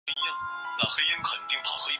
科翁人口变化图示